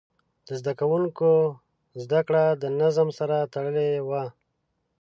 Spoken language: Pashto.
د زده کوونکو زده کړه د نظم سره تړلې وه.